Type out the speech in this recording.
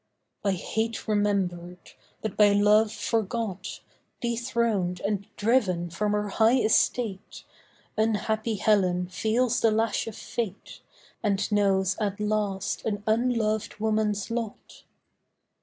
By hate remembered, but by love forgot, Dethroned and driven from her high estate, Unhappy Helen feels the lash of Fate And knows at last an unloved woman's lot.